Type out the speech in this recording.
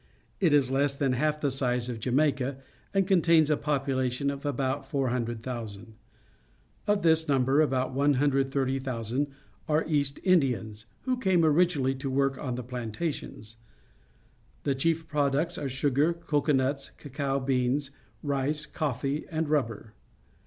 It is less than half the size of Jamaica and contains a population of about 400,000. Of this number about 130,000 are East Indians, who came originally to work on the plantations. The chief products are sugar, cocoar^nuts, cacao bean s, rice, coffee, and rubber.